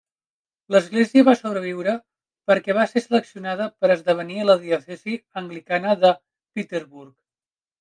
L'església va sobreviure perquè va ser seleccionada per esdevenir la diòcesi anglicana de Peterborough.